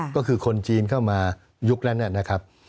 ก็คือคนจีนเข้ามายุคนั้นนะครับ